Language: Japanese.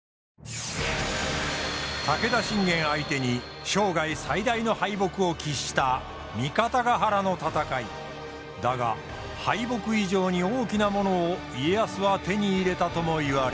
武田信玄相手に生涯最大の敗北を喫しただが敗北以上に大きなものを家康は手に入れたともいわれる。